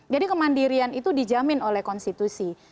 jadi kemandirian itu dijamin oleh konstitusi